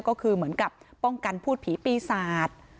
ก็คือเหมือนกับป้องกันพูดผีปีศาจ